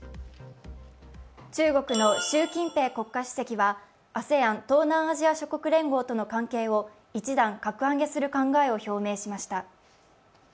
中国の習近平国家主席はＡＳＥＡＮ＝東南アジア諸国連合との関係を一段格上げする考えを表明しました。